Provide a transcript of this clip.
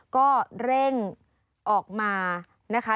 ก็เร่งออกมานะคะ